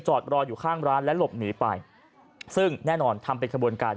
รออยู่ข้างร้านและหลบหนีไปซึ่งแน่นอนทำเป็นขบวนการ